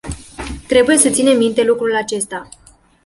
Trebuie să ținem minte lucrul acesta.